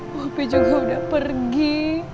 papi juga udah pergi